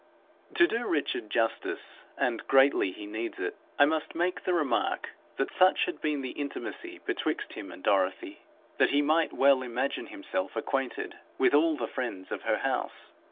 To do Richard justice, and greatly he needs it, I must make the remark that such had been the intimacy betwixt him and Dorothy, that he might well imagine himself acquainted with all the friends of her house.